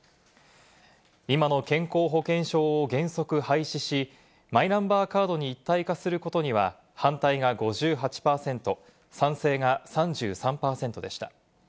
今の健康保険証を原則廃止し、マイナンバーカードに一体化することには反対が５８％、賛成が３３％でした。